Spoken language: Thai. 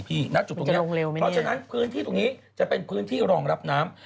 เพราะฉะนั้นพื้นที่ตรงนี้จะเป็นพื้นที่รองรับน้ำ